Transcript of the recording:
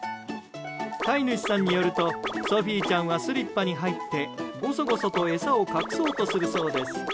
飼い主さんによるとソフィーちゃんはスリッパに入って、ごそごそと餌を隠そうとするそうです。